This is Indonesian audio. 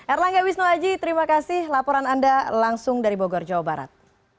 erlangga wisnu aji terima kasih laporan anda langsung dari bogor jawa barat